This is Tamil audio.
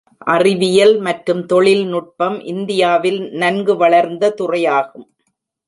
அறிவியல் மற்றும் தொழில்நுட்பம் இந்தியாவில் நன்கு வளர்ந்த துறையாகும்.